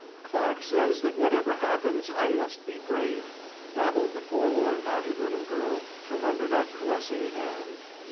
"Clarke says that whatever happens I must be brave," babbled the forlorn hearted little girl from under that caressing hand.